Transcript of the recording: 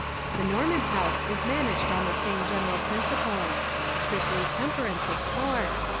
The Norman House is managed on the same general . prin ciples ; strictly temperance, of course.